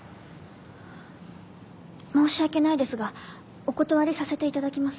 申し訳ないですがお断りさせていただきます。